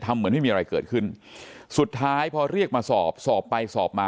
เหมือนไม่มีอะไรเกิดขึ้นสุดท้ายพอเรียกมาสอบสอบไปสอบมา